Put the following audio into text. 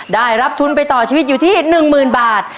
ได้รับทุนไปต่อชีวิตอยู่ที่๑๐๐๐บาท